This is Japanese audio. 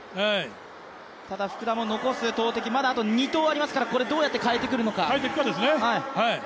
ただ、福田も残す投てき、まだ２投ありますから、どうやって変えてくるのか。